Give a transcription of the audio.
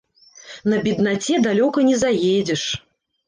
На беднаце далёка не заедзеш.